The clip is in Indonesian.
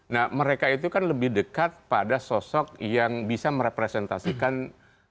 nah mereka itu kan lebih dekat pada sosok yang bisa merepresentasikan kepentingan